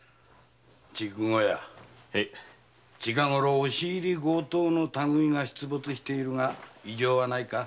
近ごろ押し入り強盗の類いが出没しているが異常はないか？